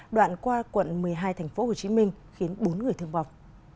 đoạn qua quận một mươi hai tp hcm khiến bốn người thương vọng